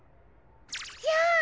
じゃあ！